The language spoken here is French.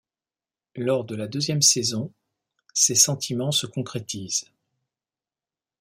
Lors de la deuxième saison, ces sentiments se concrétisent.